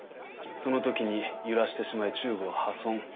その時に揺らしてしまいチューブを破損。